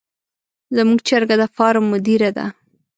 زموږ چرګه د فارم مدیره ده.